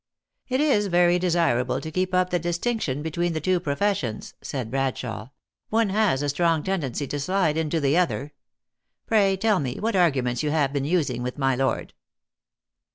" It is very desirable to keep up the distinction be tween the two professions," said Bradshawe. " One has a strong tendency to slide into the other. Pray, tell me what arguments you have been using with my lord."